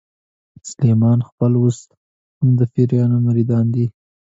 سلیمان خېل اوس هم د پیرانو مریدان دي.